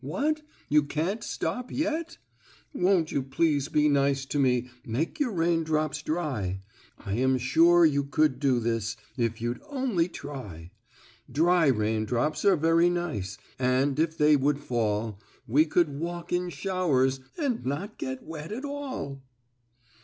What? You can't stop yet? "Won't you please be nice to me Make your raindrops dry. I am sure you could do this If you'd only try. "Dry raindrops are very nice, And if they would fall, We could walk in showers, and Not get wet at all."